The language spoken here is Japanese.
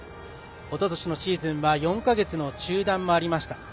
おととしのシーズンは４か月の中断もありました。